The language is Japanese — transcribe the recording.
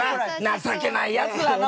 情けないやつだな。